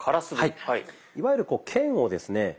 いわゆる剣をですね